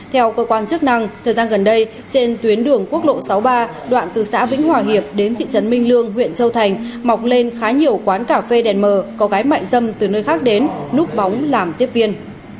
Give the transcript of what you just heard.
theo cơ quan chức năng thời gian gần đây trên tuyến đường quốc lộ sáu mươi ba đoạn từ xã vĩnh hòa hiệp đến thị trấn minh lương huyện châu thành mọc lên khá nhiều quán cà phê đèn mờ có gái mại dâm từ nơi khác đến núp bóng làm tiếp viên